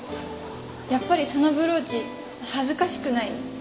やっぱりそのブローチ恥ずかしくない？